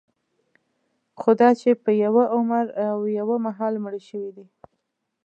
خوداچې په یوه عمر او یوه مهال مړه شوي دي.